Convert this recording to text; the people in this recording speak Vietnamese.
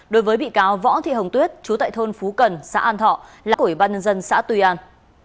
đối với bị cáo võ thị hồng tuyết chú tại thôn phú cần xã an thọ là ủy ban nhân dân xã tuy an